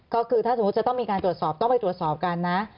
ก็คือถ้าสมมุติจะต้องมีการตรวจสอบต้องไปตรวจสอบกันนะ